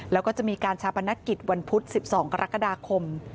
แล้วก็จะมีการชาปนกิจวันพุธ๑๒กรกฎาคม